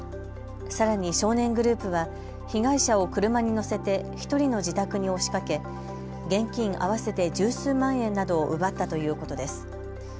さらに、少年グループは被害者を車に乗せて１人の自宅に押しかけ現金、合わせて十数万円などを奪ったということです。